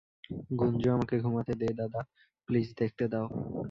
গুঞ্জু, আমাকে ঘুমাতে দে -দাদা, প্লিজ দেখতে দাও।